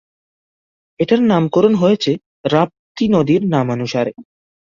এটার নামকরণ হয়েছে রাপ্তী নদীর নামানুসারে।